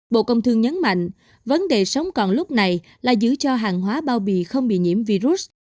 bộ công thương nhấn mạnh vấn đề sống còn lúc này là giữ cho hàng hóa bao bì không bị nhiễm virus